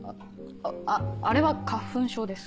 ああれは花粉症です。